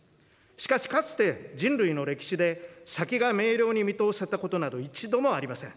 しかしかつて、人類の歴史で先が明瞭に見通せたことなど一度もありません。